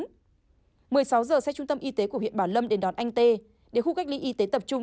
một mươi sáu giờ xe trung tâm y tế của huyện bảo lâm đến đón anh tê đến khu cách ly y tế tập trung